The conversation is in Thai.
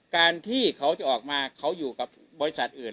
การที่เขาจะออกมาเขาอยู่กับบริษัทอื่น